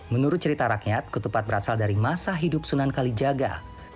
menurut cerita rakyat ketupat berasal dari masa hidup sunan kalijaga